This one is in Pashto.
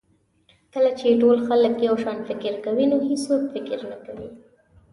کله چې ټول خلک یو شان فکر کوي نو هېڅوک فکر نه کوي.